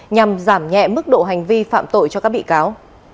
nhằm giảm nhẹ mức độ hành vi phạm tội cho các bị cáo